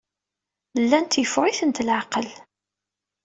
Llant yeffeɣ-itent leɛqel.